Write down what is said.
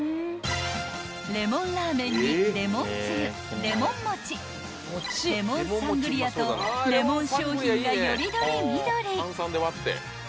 ［レモンラーメンにレモンつゆレモンもちレモンサングリアとレモン商品がより取り見取り］